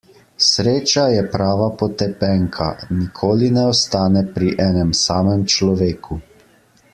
Sreča je prava potepenka; nikoli ne ostane pri enem samem človeku.